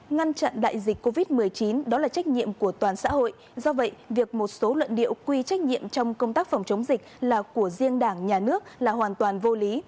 ngăn chặn đại dịch covid một mươi chín đó là trách nhiệm của toàn xã hội do vậy việc một số luận điệu quy trách nhiệm trong công tác phòng chống dịch là của riêng đảng nhà nước là hoàn toàn vô lý